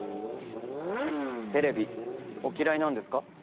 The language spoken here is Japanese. テレビお嫌いなんですか？